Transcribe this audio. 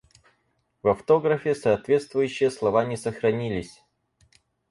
В автографе соответствующие слова не сохранились.